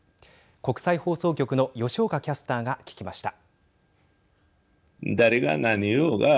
国際放送局の吉岡キャスターが聞きました。